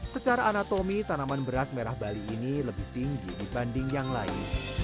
secara anatomi tanaman beras merah bali ini lebih tinggi dibanding yang lain